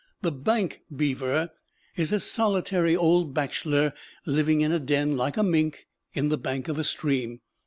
The bank beaver is a solitary old bachelor living in a den, like a mink, in the bank of a stream.